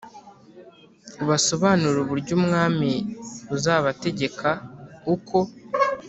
ubasobanurire uburyo umwami uzabategeka uko